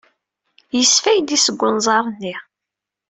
Yesfaydi-d seg unẓar-nni.